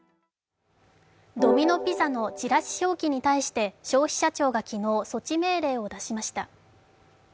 ドミノ・ピザのチラシ表記に対して消費者庁が昨日、措置命令を出しました。